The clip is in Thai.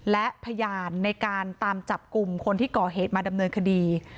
และพยานในการตามจับกลุ่มคนที่ก่อเหตุมาดำเนินคดี